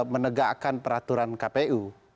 menegakkan peraturan kpu